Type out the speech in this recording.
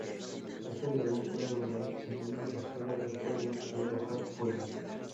Este dragón puede volar en una estela de fuego y arrojar fuego.